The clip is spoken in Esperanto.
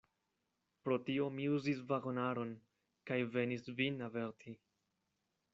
Pro tio mi uzis vagonaron, kaj venis vin averti.